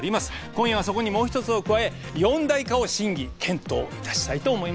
今夜はそこにもう１つを加え四大化を審議・検討いたしたいと思います。